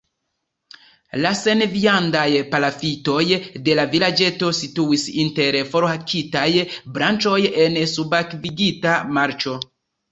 La senviandaj palafitoj de la vilaĝeto situis inter forhakitaj branĉoj en subakvigita marĉo.